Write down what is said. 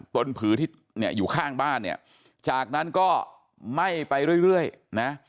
นผือที่เนี่ยอยู่ข้างบ้านเนี่ยจากนั้นก็ไหม้ไปเรื่อยนะ